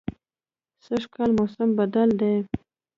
سږکال موسم بدل دی